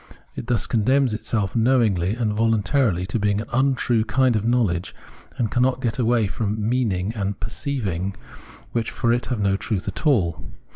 It thus condemns itself knowingly and voluntarily to being an rmtrue kind of knowledge, and cannot get away from " meaning " and " perceiving," which for it have no truth at all.